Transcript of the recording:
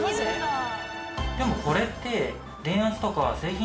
でもこれって。